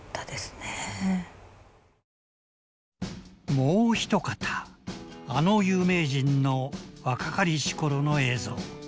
もう一方あの有名人の若かりし頃の映像。